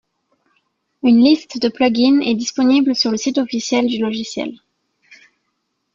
Une liste de plugins est disponible sur le site officiel du logiciel.